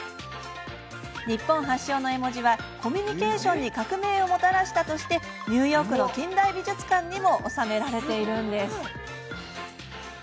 日本発祥の絵文字はコミュニケーションに革命をもたらしたとしてニューヨークの近代美術館にも収められているんです。